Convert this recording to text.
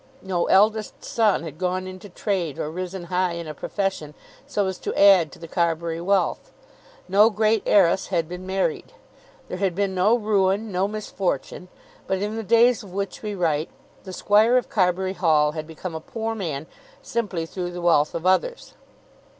No eldest son had gone into trade or risen high in a profession so as to add to the Carbury wealth. No great heiress had been married. There had been no ruin, no misfortune. But in the days of which we write the Squire of Carbury Hall had become a poor man simply through the wealth of others.